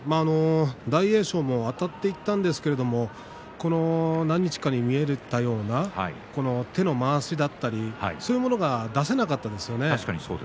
大栄翔もあたっていったんですけどもこの何日か見られたような手の回転だったりそういうものが出せませんでしたね。